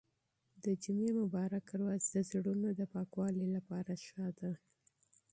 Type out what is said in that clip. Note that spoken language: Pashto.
د جمعې مبارکه ورځ د زړونو د پاکوالي لپاره ښه ده.